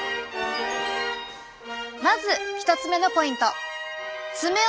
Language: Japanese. まず１つ目のポイント。